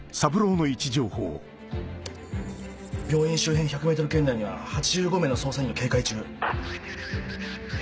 病院周辺１００ｍ圏内には８５名の捜査員が警戒中。